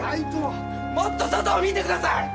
もっと外を見てください